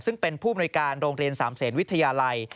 ซึ่งเป็นผู้มนุยการโรงเรียนสามเศษวิทยาลัย